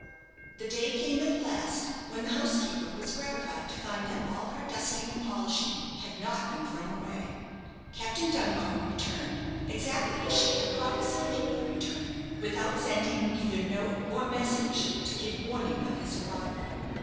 The day came at last when the housekeeper was gratified to find that all her dusting and polishing had not been thrown away. Captain Duncombe returned exactly as she had prophesied he would return, without sending either note or message to give warning of his arrival.